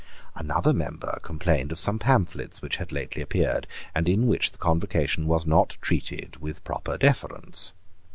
Another member complained of some pamphlets which had lately appeared, and in which the Convocation was not treated with proper deference.